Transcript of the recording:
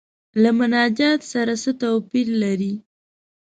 له مناجات سره څه توپیر لري.